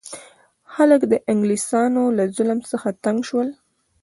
خلک د انګلیسانو له ظلم څخه تنګ شول.